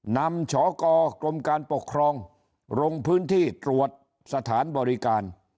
นำชกรมการปกครองลงพื้นที่ตรวจสถานบริการ